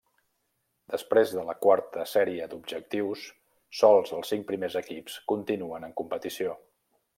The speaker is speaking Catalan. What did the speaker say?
Després de la quarta sèrie d'objectius sols els cinc primers equips continuen en competició.